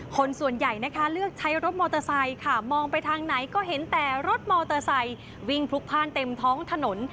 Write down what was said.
คนส่วนใหญ่นะคะเลือกใช้รถมอเตอร์ไซค์ค่ะมองไปทางไหนก็เห็นแต่รถมอเตอร์ไซค์วิ่งพลุกพ่านเต็มท้องถนน